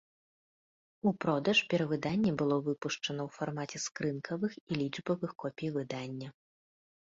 У продаж перавыданне было выпушчана ў фармаце скрынкавых і лічбавых копій выдання.